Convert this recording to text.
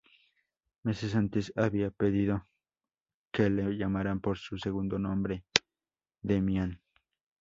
Meses antes había pedido que le llamaran por su segundo nombre Demian.